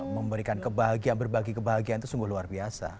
memberikan kebahagiaan berbagi kebahagiaan itu sungguh luar biasa